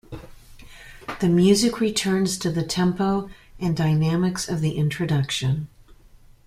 The music returns to the tempo and dynamics of the introduction.